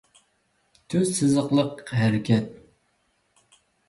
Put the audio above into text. تۈز سىزىقلىق ھەرىكەت